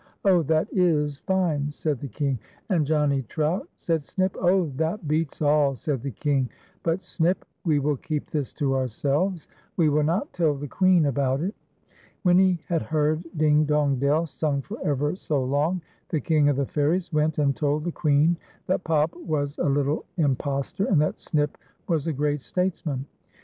Oh ! that is fine," said the King :" And Johnny Trout !" said Snip. " Oh ! that beats all," said the King, " but, Snip, we will keep this to ourselves. We will not tell the Queen about it." When he had heard " Ding, dong, dell," sung for ever so long, the King of the Fairies went and told the Queen that Pop was a little impostor, and that Snip was a great statesman.